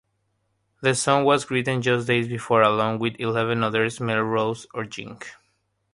The song was written just days before, along with eleven others, at Melrose's urging.